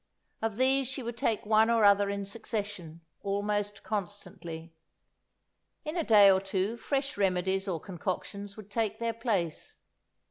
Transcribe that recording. Of these she would take one or other in succession, almost constantly. In a day or two fresh remedies or concoctions would take their place.